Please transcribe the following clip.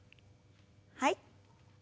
はい。